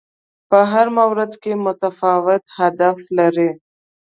په هر مورد کې متفاوت هدف لري